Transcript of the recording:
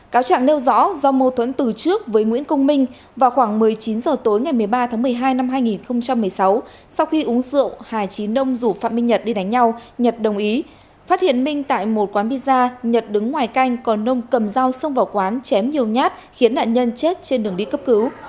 cáo trạng nêu rõ do mâu thuẫn từ trước với nguyễn công minh vào khoảng một mươi chín h tối ngày một mươi ba tháng một mươi hai năm hai nghìn một mươi sáu sau khi uống rượu hà trí đông rủ phạm minh nhật đi đánh nhau nhật đồng ý phát hiện minh tại một quán pizza nhật đứng ngoài canh còn nông cầm dao xông vào quán chém nhiều nhát khiến nạn nhân chết trên đường đi cấp cứu